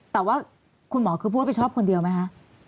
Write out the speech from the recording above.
แต่ว่าคุณหมอคือพูดรับผิดชอบคนเดียวไหมคะ